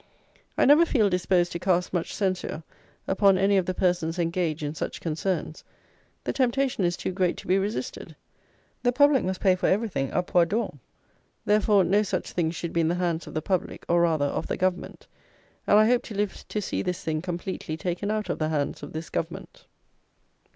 I never feel disposed to cast much censure upon any of the persons engaged in such concerns. The temptation is too great to be resisted. The public must pay for everything à pois d'or. Therefore, no such thing should be in the hands of the public, or, rather, of the government; and I hope to live to see this thing completely taken out of the hands of this government.